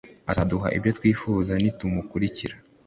Azaduha ibyo twifuza nitumukurikira